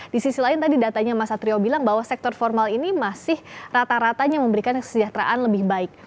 di sisi lain tadi datanya mas satrio bilang bahwa sektor formal ini masih rata ratanya memberikan kesejahteraan lebih baik